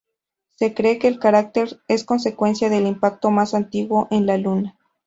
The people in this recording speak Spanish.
Se cree que el cráter es consecuencia del impacto más antiguo en la Luna.